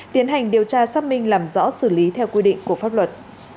tiến hành điều tra xác minh làm rõ xử lý theo quy định của pháp luật